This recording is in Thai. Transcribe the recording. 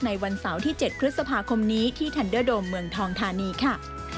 วันเสาร์ที่๗พฤษภาคมนี้ที่ทันเดอร์โดมเมืองทองธานีค่ะ